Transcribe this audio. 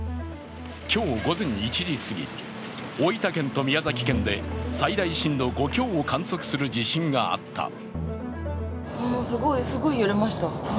今日午前１時すぎ、大分県と宮崎県で最大震度５強を観測する地震があった。